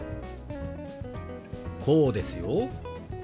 こうですよ。